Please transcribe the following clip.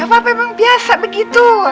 gapapa bang biasa begitu